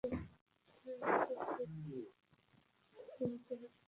হ্যাঁ, ওকে ভুল স্থানাঙ্ক চুরি করতে দিয়েছিলাম।